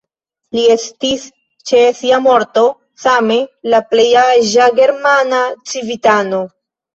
Li estis ĉe sia morto same la plej aĝa germana civitano.